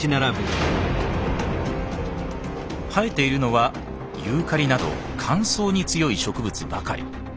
生えているのはユーカリなど乾燥に強い植物ばかり。